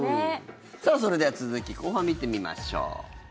さあ、それでは続き後半、見てみましょう。